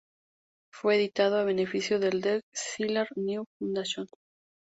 Fue editado a beneficio de The Skylar Neil Foundation.